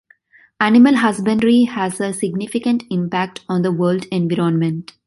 Animal husbandry has a significant impact on the world environment.